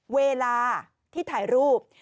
เวลาที่ถ่ายรูป